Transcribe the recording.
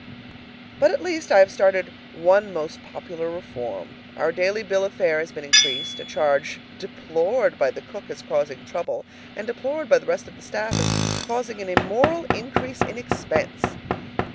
But at least I have started one most popular reform. Our daily bill of fare has been increased, a change deplored by the cook as causing trouble, and deplored by the rest of the staff as causing an immoral increase in expense.